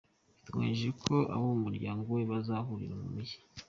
Biteganyijwe ko abo mu muryango we bazahurira mu mujyi.